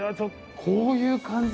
こういう感じ